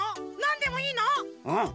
うん。